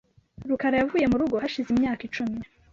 rukara yavuye murugo hashize imyaka icumi .